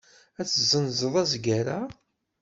Ad tezzenzeḍ azger-a?